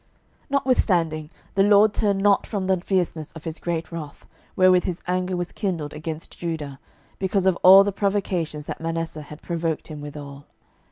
12:023:026 Notwithstanding the LORD turned not from the fierceness of his great wrath, wherewith his anger was kindled against Judah, because of all the provocations that Manasseh had provoked him withal.